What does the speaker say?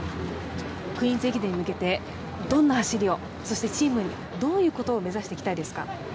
「クイーンズ駅伝」に向けてどんな走りをそしてチームとしてどんな走りを目指していきたいですか？